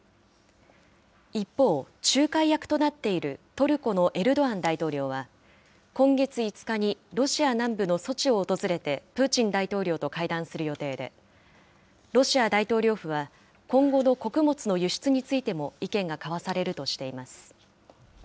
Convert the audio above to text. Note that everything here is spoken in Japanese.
一方、仲介役となっているトルコのエルドアン大統領は、今月５日にロシア南部のソチを訪れて、プーチン大統領と会談する予定で、ロシア大統領府は、今後の穀物の輸出についても意見が交わされるとしています。